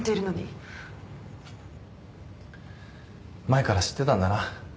前から知ってたんだな？